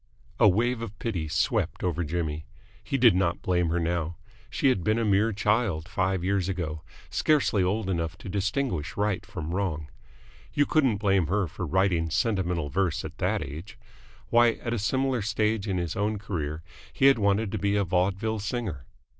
A wave of pity swept over Jimmy. He did not blame her now. She had been a mere child five years ago, scarcely old enough to distinguish right from wrong. You couldn't blame her for writing sentimental verse at that age. Why, at a similar stage in his own career he had wanted to be a vaudeville singer.